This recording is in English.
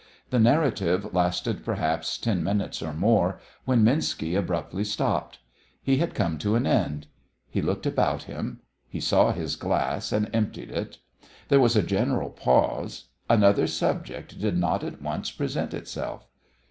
The narrative lasted perhaps ten minutes or more, when Minski abruptly stopped. He had come to an end; he looked about him; he saw his glass, and emptied it. There was a general pause. Another subject did not at once present itself.